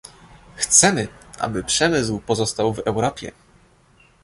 Chcemy, aby przemysł pozostał w Europie